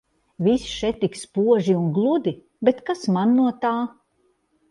Viss še tik spoži un gludi, bet kas man no tā.